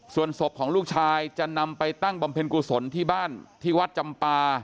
ส่วนศพของลูกชายจะนำไปตั้งบำเพ็ญกุศลที่บ้านที่วัดจำปา